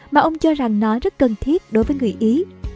mà ông cho rằng nó rất cần thiết đối với người ý